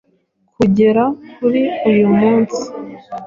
Kugera kuri uyu munsi,